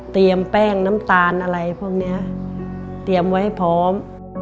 เตรียมแป้งน้ำตาลอะไรพวกนี้เตรียมไว้ให้พร้อม